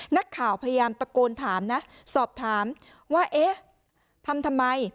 นักข่าวพยายามตะโกนถามนะสอบถามว่าเอ๊ะทำทำไม